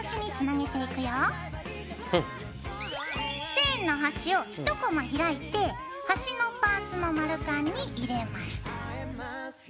チェーンの端を１コマ開いて端のパーツの丸カンに入れます。